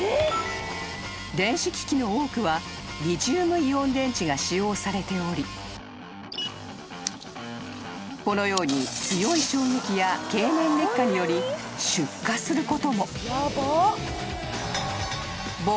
［電子機器の多くはリチウムイオン電池が使用されておりこのように強い衝撃や経年劣化により出火することも］